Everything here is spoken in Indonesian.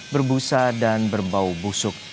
berbusa dan berbau busuk